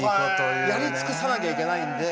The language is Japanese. やり尽くさなきゃいけないので。